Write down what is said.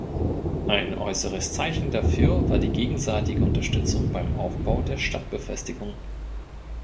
Ein äußeres Zeichen dafür war die gegenseitige Unterstützung beim Aufbau der Stadtbefestigungen.